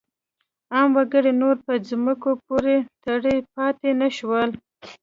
عام وګړي نور په ځمکو پورې تړلي پاتې نه شول.